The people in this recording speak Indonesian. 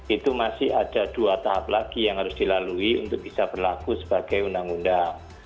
itu masih ada dua tahap lagi yang harus dilalui untuk bisa berlaku sebagai undang undang